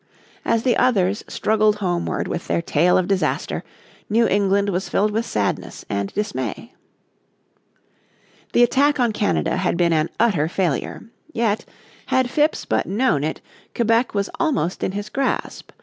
As the others struggled homeward with their tale of disaster, New England was filled with sadness and dismay. The attack on Canada had been an utter failure. Yet, had Phips but known it, Quebec was almost in his grasp.